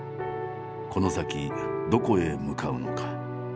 この先どこへ向かうのか。